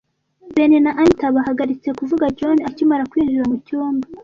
Ben na Anita bahagaritse kuvuga John akimara kwinjira mucyumba.